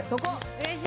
うれしい。